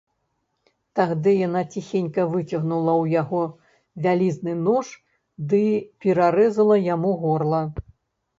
Тагды яна ціхенька выцягнула ў яго вялізны нож ды перарэзала яму горла.